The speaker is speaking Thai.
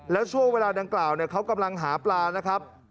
แล้วช่วงเวลาดังกล่าวเขากำลังหาปลานะครับ